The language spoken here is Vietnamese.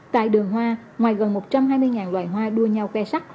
tại đường hoa ngoài gần một trăm hai mươi loài hoa đua nhau khe sắc